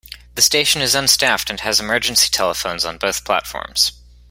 The station is unstaffed and has emergency telephones on both platforms.